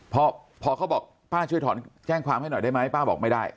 พอพอเขาบอกป้าช่วยถอนแจ้งความให้หน่อยได้ไหมป้าบอกไม่ได้